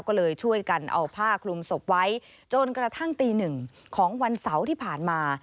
ก็เลยช่วยกันเอาผ้าคลุมศพไว้จนกระทั่งตีหนึ่งของวันเสาร์ที่ผ่านมา